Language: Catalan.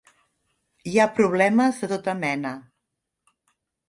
Hi ha problemes de tota mena.